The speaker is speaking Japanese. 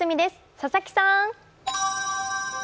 佐々木さん。